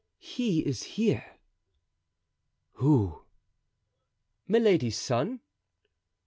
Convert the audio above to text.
"He is here." "Who?" "Milady's son."